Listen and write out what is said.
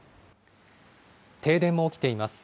停電も起きています。